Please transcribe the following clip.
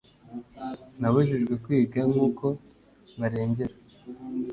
nabujijwe kwiga, nkuko barengera